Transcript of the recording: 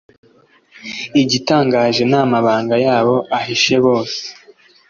Igitangaje namabanga yabo ahishe bose